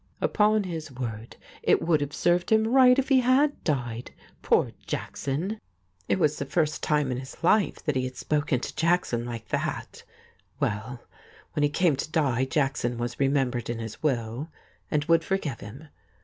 Upon his word, it would have served him right if he had died. Poor Jackson ! It was the first time in his life he had spoken to Jackson like that. Well, when he came to die Jackson was remembered in his will, and would forgive him.